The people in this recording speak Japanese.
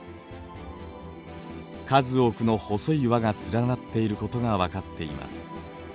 数多くの細い環が連なっていることがわかっています。